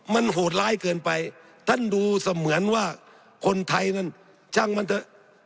มันโหดร้ายเกินไปท่านดูเสมือนว่าคนไทยนั้นช่างมันเถอะ